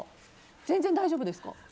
全然、大丈夫ですか？